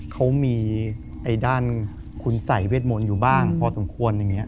เขามีด้านคุณสัยเวทมนตร์อยู่บ้างพอสมควร